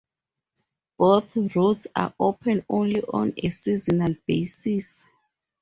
Both roads are open only on a seasonal basis.